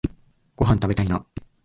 ごはんたべたいな